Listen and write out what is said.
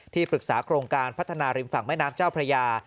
ปรึกษาโครงการพัฒนาริมฝั่งแม่น้ำเจ้าพระยา